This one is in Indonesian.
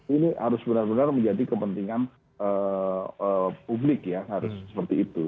ini harus benar benar menjadi kepentingan publik ya harus seperti itu